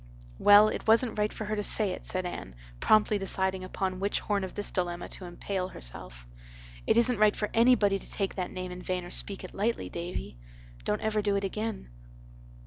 "Well, it wasn't right for her to say it," said Anne, promptly deciding upon which horn of this dilemma to empale herself. "It isn't right for anybody to take that name in vain or speak it lightly, Davy. Don't ever do it again."